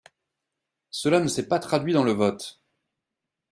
Cela ne s’est pas traduit dans le vote.